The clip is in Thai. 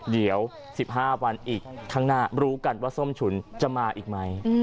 เดี๋ยว๑๕วันอีกข้างหน้ารู้กันว่าส้มฉุนจะมาอีกไหม